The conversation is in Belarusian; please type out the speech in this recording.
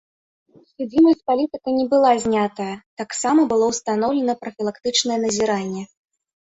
Судзімасць з палітыка не была знятая, таксама было ўстаноўлена прафілактычнае назіранне.